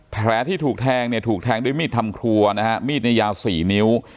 แผลที่ถูกแทงก็ถูกแทงด้วยมีดทำคลั่วมีดในยาว๔นิ้ว